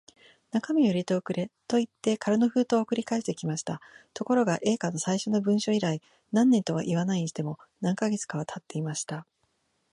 中身を入れて送れ、といって空の封筒を送り返してきました。ところが、Ａ 課の最初の文書以来、何年とはいわないにしても、何カ月かはたっていました。